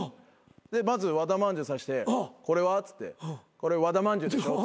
でまず和田まんじゅう指して「これは？」っつって「これ和田まんじゅうでしょ」